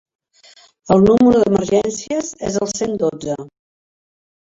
El número d'emergències és el cent dotze.